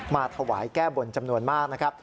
มาถวายแก้บนจำนวนมากนะครับ